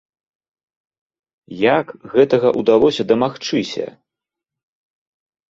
Як гэтага ўдалося дамагчыся?